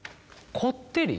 こってり？